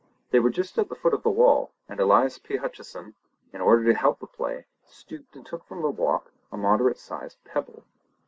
They were just at the foot of the wall, and Elias P. Hutcheson, in order to help the play, stooped and took from the walk a moderate sized pebble.